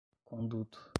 Conduto